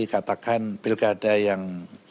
katakan pilkada yang